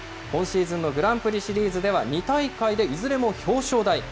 今シーズンのグランプリシリーズでは、２大会でいずれも表彰台。